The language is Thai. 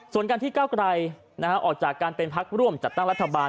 ส่วนการที่เก้าไกรออกจากการเป็นพักร่วมจัดตั้งรัฐบาล